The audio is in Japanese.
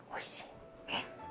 えっ？